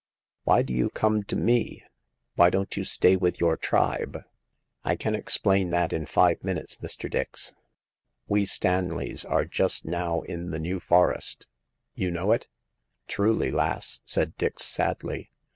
" Why do you come to me ? Why don't you stay with your tribe ?"" I can explain that in five minutes, Mr. Dix. We Stanleys are just now in the New Forest. You know it ?' "Truly, lass," said Dix, sadly.